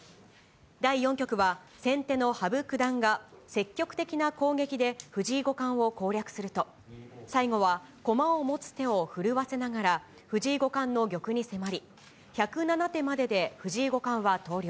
第４局は、先手の羽生九段が積極的な攻撃で藤井五冠を攻略すると、最後は駒を持つ手を振るわせながら、藤井五冠の玉に迫り、１０７手までで藤井五冠は投了。